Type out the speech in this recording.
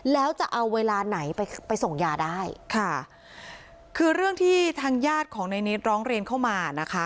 แล้วจะเอาเวลาไหนไปไปส่งยาได้ค่ะคือเรื่องที่ทางญาติของในนิดร้องเรียนเข้ามานะคะ